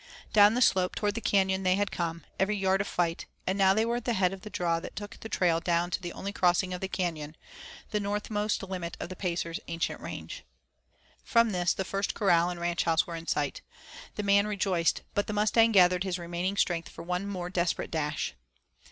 Down the slope toward the canyon they had come, every yard a fight, and now they were at the head of the draw that took the trail down to the only crossing of the canon, the northmost limit of the Pacer's ancient range. From this the first corral and ranch house were in sight. The man rejoiced, but the Mustang gathered his remaining strength for one more desperate dash.